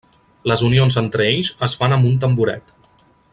Les unions entre ells, es fan amb un tamboret.